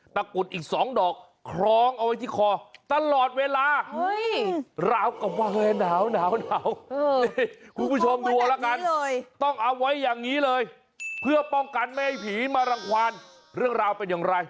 ประกุนอีกสองดอกครองเอาไว้ที่คอตลอดเวลา